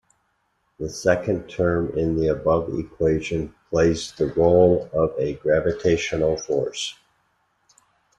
The second term in the above equation, plays the role of a gravitational force.